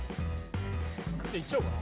いっちゃおうかな。